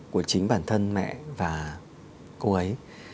của chính bản thân mẹ và cô ấy